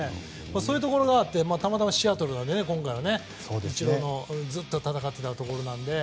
そういうところがあってたまたまシアトルが今回はイチローのずっと戦ってたところなので。